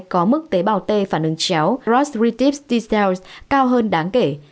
có mức tế bào t phản ứng chéo ros retips t cells cao hơn đáng kể